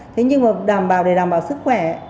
thế nhưng mà đảm bảo để đảm bảo sức khỏe